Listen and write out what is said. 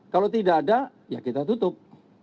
kalau tidak ada ya kita tutup